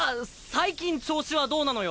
最近調子はどうなのよ？